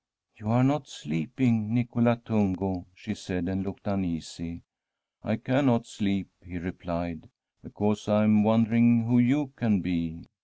' You are not sleeping, Nicola Tungo,' she said, and looked uneasy. ' I cannot sleep,' he replied, ' because I am won dering who you can be.'